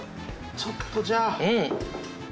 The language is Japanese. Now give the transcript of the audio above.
ちょっとじゃあ。